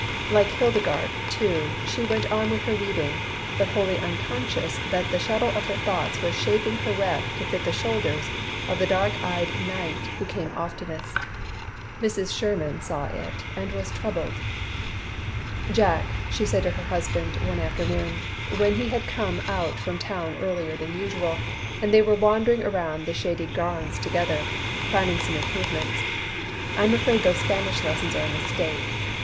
Like Hildegarde, too, she went on with her weaving, but wholly unconscious that the shuttle of her thoughts was shaping her web to fit the shoulders of the dark eyed knight who came oftenest. Mrs. Sherman saw it and was troubled. "Jack," she said to her husband one afternoon, when he had come out from town earlier than usual, and they were wandering around the shady grounds together, planning some improvements, "I'm afraid those Spanish lessons are a mistake.